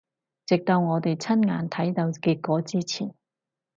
直到我哋親眼睇到結果之前